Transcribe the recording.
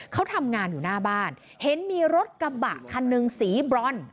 เขาทำงานอยู่หน้าบ้านเห็นมีรถกระบะคันหนึ่งสีบรอน